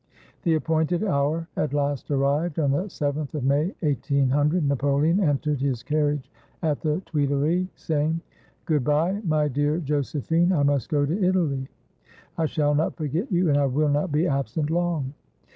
The appointed hour at last arrived. On the 7th of May, 1800, Napoleon entered his carriage at the Tuileries, saying, — "Good bye, my dear Josephine! I must go to Italy. I shall not forget you, and I will not be absent long."